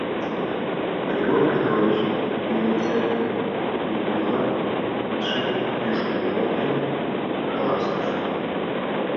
Григорий Петрович, Римысе трибунла кидшым кӱшкӧ нӧлтен, каласыш: